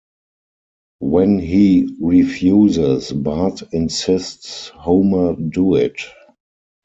When he refuses, Bart insists Homer do it.